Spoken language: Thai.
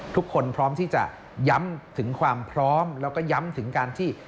พร้อมที่จะย้ำถึงความพร้อมแล้วก็ย้ำถึงการที่